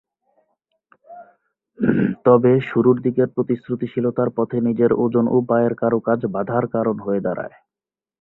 তবে শুরুরদিকের প্রতিশ্রুতিশীলতার পথে নিজের ওজন ও পায়ের কারুকাজ বাঁধার কারণ হয়ে দাঁড়ায়।